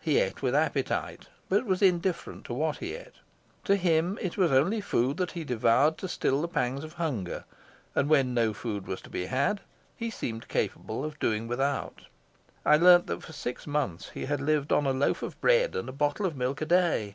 He ate with appetite, but was indifferent to what he ate; to him it was only food that he devoured to still the pangs of hunger; and when no food was to be had he seemed capable of doing without. I learned that for six months he had lived on a loaf of bread and a bottle of milk a day.